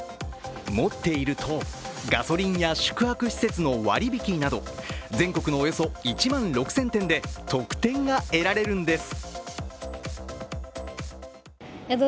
持っていると、ガソリンや宿泊施設の割り引きなど全国のおよそ１万６０００店で得点が得られるんです。